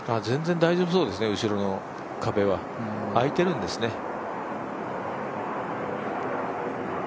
全然大丈夫そうですね、後ろの壁は空いてるんですね。